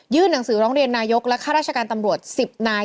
หนังสือร้องเรียนนายกและข้าราชการตำรวจ๑๐นาย